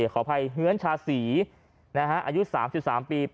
ขอให้เฮ้นชาศรีนะฮะอายุสามที่สามปี